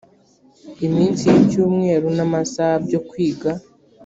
iminsi y icyumweru n amasaha byo kwiga